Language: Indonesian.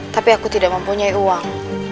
tapi aku tidak mempunyai uang